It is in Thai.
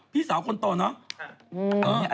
พี่สาวคนโตเนอะ